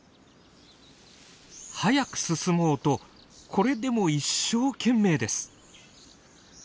速く進もうとこれでも一生懸命です。